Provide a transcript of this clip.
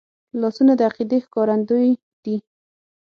لاسونه د عقیدې ښکارندوی دي